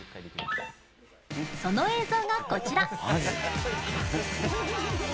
その映像がこちら。